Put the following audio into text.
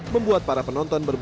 membuat para penonton berbunuh